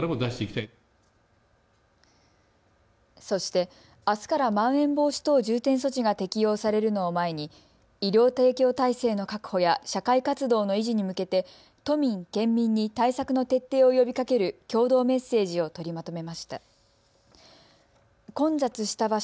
そして、あすからまん延防止等重点措置が適用されるのを前に医療提供体制の確保や社会活動の維持に向けて都民・県民に対策の徹底を呼びかける共同メッセージを取りまとめました。